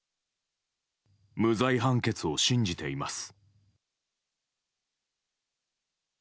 無罪判決を信じています。